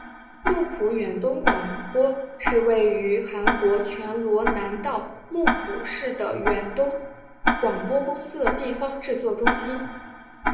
木浦远东广播是位于韩国全罗南道木浦市的远东广播公司的地方制作中心。